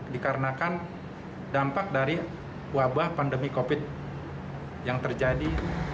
dikarenakan dampak dari wabah pandemi covid yang terjadi